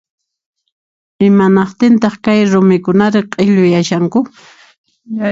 Imanaqtintaq kay rumikunari q'illuyashanku